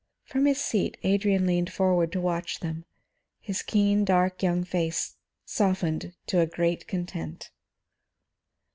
From his seat Adrian leaned forward to watch them, his keen, dark young face softened to a great content.